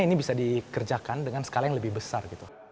karena ini bisa dikerjakan dengan skala yang lebih besar